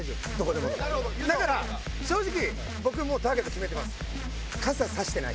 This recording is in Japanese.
だから正直僕もうターゲット決めてます。